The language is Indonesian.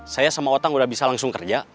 saya sama orang udah bisa langsung kerja